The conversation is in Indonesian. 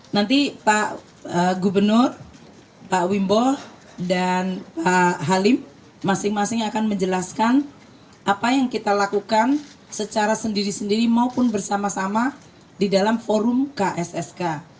nanti pak gubernur pak wimbo dan pak halim masing masing akan menjelaskan apa yang kita lakukan secara sendiri sendiri maupun bersama sama di dalam forum kssk